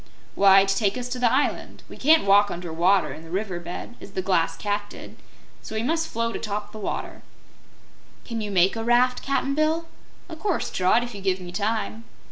"Why, to take us to the island. We can't walk under water, in the river bed, as the Glass Cat did, so we must float atop the water." "Can you make a raft, Cap'n Bill?" "O' course, Trot, if you give me time."